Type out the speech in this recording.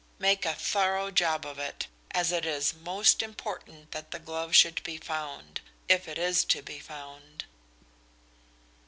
Make a thorough job of it, as it is most important that the glove should be found if it is to be found."